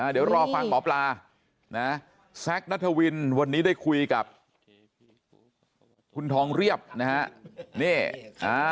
เดี๋ยวรอฟังหมอปลานะแซคนัทวินวันนี้ได้คุยกับคุณทองเรียบนะฮะ